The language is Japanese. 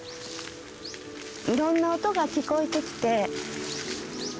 いろんな音が聞こえてきて。